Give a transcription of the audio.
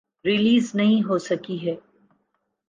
Release نہیں ہوسکی ہیں۔